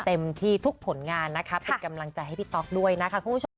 เต็มที่ทุกผลงานนะคะเป็นกำลังใจให้พี่ต๊อกด้วยนะคะคุณผู้ชม